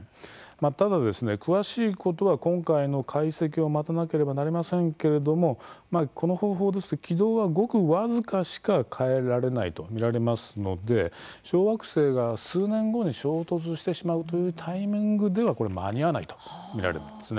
ただ、詳しいことは今回の解析を待たなければなりませんけれどもこの方法ですと軌道はごく僅かしか変えられないと見られますので小惑星が数年後に衝突してしまうというタイミングでは間に合わないと見られます。